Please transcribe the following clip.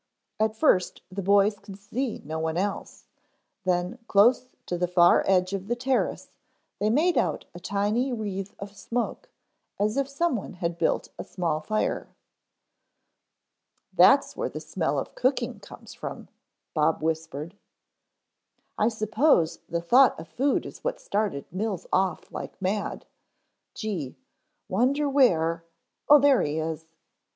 At first the boys could see no one else, then close to the far edge of the terrace they made out a tiny wreath of smoke as if some one had built a small fire. "That's where the smell of cooking comes from," Bob whispered. "I suppose the thought of food is what started Mills off like mad gee wonder where oh there he is."